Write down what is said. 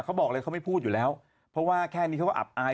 เขาบอกเลยเขาไม่พูดอยู่แล้วเพราะว่าแค่นี้เขาก็อับอาย